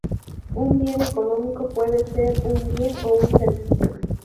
Un bien económico puede ser un bien o un servicio.